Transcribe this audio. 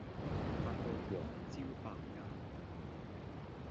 瞓到黃朝百晏